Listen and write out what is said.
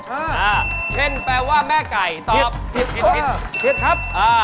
เอ้อเพนแปลว่าแม่ไก่ตอบ